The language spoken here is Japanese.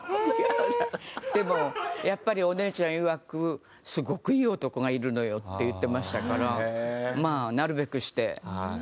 でもやっぱりお姉ちゃんいわく「すごくいい男がいるのよ！」って言ってましたから。